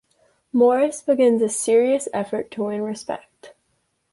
Morris begins a serious effort to win respect.